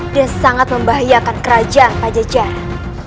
dan sangat membahayakan kerajaan pajajara